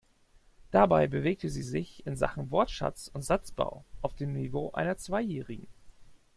Dabei bewegte sie sich in Sachen Wortschatz und Satzbau auf dem Niveau einer Zweijährigen.